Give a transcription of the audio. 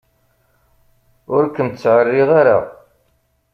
Ur kem-ttεerriɣ ara.